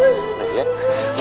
bening bening bening udah udah